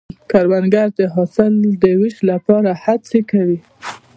کروندګر د حاصل د ویش لپاره هڅې کوي